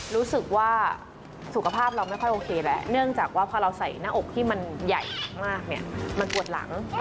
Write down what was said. รู้สึกว่าสุขภาพเราไม่ค่อยโอเคแล้วเนื่องจากว่าพอเราใส่หน้าอกที่มันใหญ่มากเนี่ยมันปวดหลัง